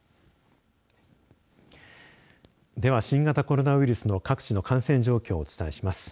では、新型コロナウイルスの各地の感染状況をお伝えします。